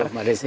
halo mbak desi